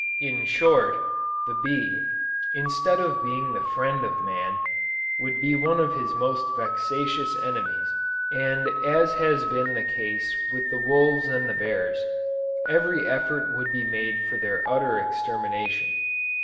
In short, the bee, instead of being the friend of man, would be one of his most vexatious enemies, and as has been the case with the wolves and the bears, every effort would be made for their utter extermination.